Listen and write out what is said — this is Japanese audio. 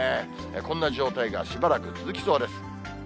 こんな状態がしばらく続きそうです。